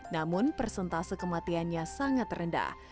namun persentase kematiannya sangat rendah